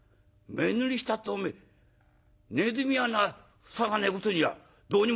目塗りしたっておめえ鼠穴塞がねえことにはどうにもなるめえ。